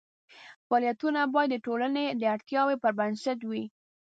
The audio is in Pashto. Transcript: فعالیتونه باید د ټولنې د اړتیاوو پر بنسټ وي.